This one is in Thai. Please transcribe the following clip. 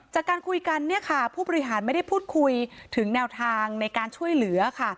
จากการคุยกันเนี่ยค่ะผู้บริหารไม่ได้พูดคุยถึงแนวทางในการช่วยเหลือค่ะ